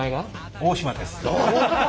大島です。